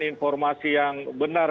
informasi yang benar